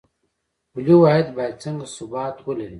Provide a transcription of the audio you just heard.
پولي واحد باید څنګه ثبات ولري؟